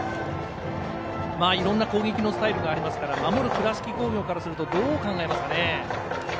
いろんな攻撃のスタイルがありますから守る倉敷工業からするとどう考えますかね。